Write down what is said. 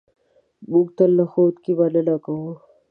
موږ له ښوونکي مننه کوو.